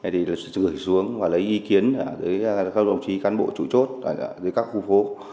thì gửi xuống và lấy ý kiến với các đồng chí cán bộ chủ chốt các khu phố